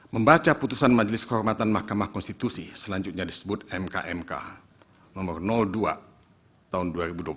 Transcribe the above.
membaca putusan majelis kehormatan mahkamah konstitusi selanjutnya disebut mkmk nomor dua tahun dua ribu dua puluh satu